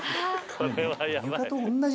これはやばい。